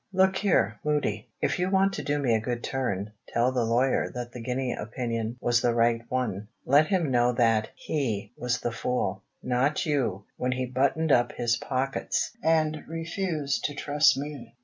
Look here, Moody! If you want to do me a good turn, tell the lawyer that the guinea opinion was the right one. Let him know that he was the fool, not you, when he buttoned up his pockets and refused to trust me.